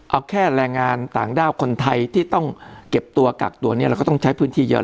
เอาแค่แรงงานต่างด้าวคนไทยเราก็ต้องใช้พื้นที่เยอะมาก